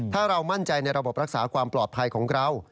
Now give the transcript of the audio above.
ถ้าเรามั่นใจในระบบรักษาความปลอดภัยของเรา